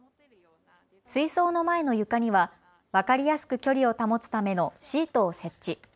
水槽の前の床には分かりやすく距離を保つためのシートを設置。